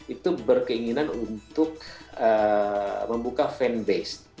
itu berkeinginan untuk membuka fanbase